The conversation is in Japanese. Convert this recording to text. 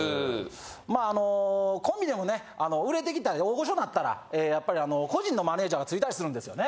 まああのコンビでもね売れてきたり大御所なったらやっぱり個人のマネージャーがついたりするんですよね。